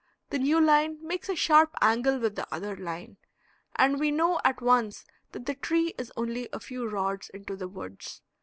The new line makes a sharp angle with the other line, and we know at once that the tree is only a few rods into the woods.